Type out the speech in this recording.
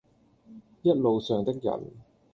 一路上的人，